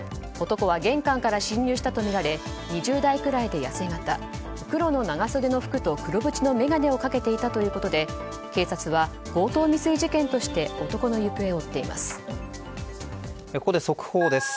男は玄関から侵入したとみられ２０代ぐらいで痩せ形黒の長袖の服と黒縁の眼鏡をかけていたということで警察は、強盗未遂事件として男の行方を追っています。